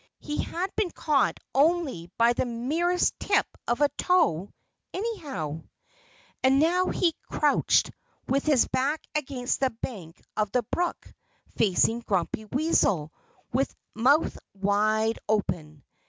He had been caught only by the merest tip of a toe, anyhow. And now he crouched with his back against the bank of the brook, facing Grumpy Weasel with mouth wide open.